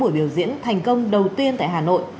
buổi biểu diễn thành công đầu tiên tại hà nội